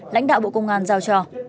lãnh đạo bộ công an giao cho